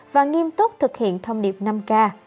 và nghiêm túc thực hiện thông điệp năm k